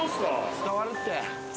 伝わるって。